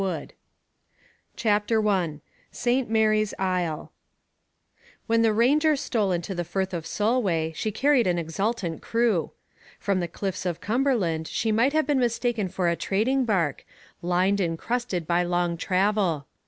CHAPTER I ST MARY'S ISLE When the Ranger stole into the firth of Solway she carried an exultant crew. From the cliffs of Cumberland she might have been mistaken for a trading bark, lined and crusted by long travel.